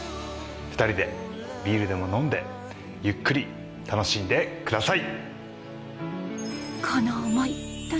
２人でビールでも飲んでゆっくり楽しんでください。